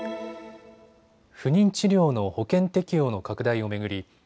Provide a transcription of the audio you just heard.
不妊治療の保険適用の拡大を巡り